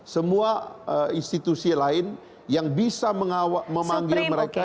semua institusi lain yang bisa memanggil mereka